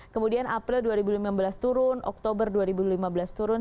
kemudian april dua ribu lima belas turun oktober dua ribu lima belas turun